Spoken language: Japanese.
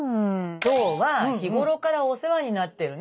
今日は日ごろからお世話になってるね